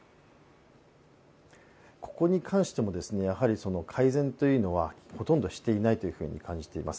ここに関してもやはり改善というのはほとんどしていないと感じています。